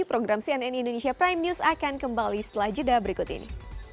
program cnn indonesia prime news akan kembali setelah jeda berikut ini